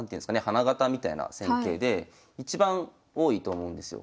花形みたいな戦型で一番多いと思うんですよ。